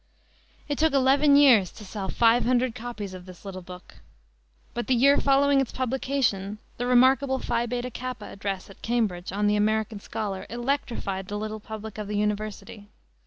It took eleven years to sell five hundred copies of this little book. But the year following its publication the remarkable Phi Beta Kappa address at Cambridge, on the American Scholar, electrified the little public of the university.